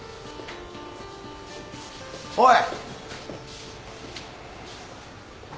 おい！